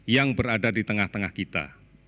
yang berada di tengah tengah kita